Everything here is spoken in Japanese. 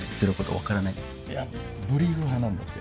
いやブリーフ派なんだって。